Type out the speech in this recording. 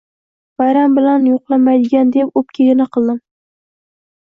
Bayram bilan yo‘qlamaydiyam deb o‘pka-gina qildim.